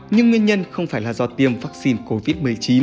nhưng nguyên nhân không phải là do tiêm vaccine covid một mươi chín